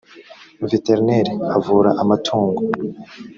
veterineri avura amatungu.